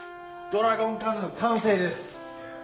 ドラゴンカヌー完成です。